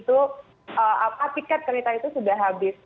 itu tiket kereta itu sudah habis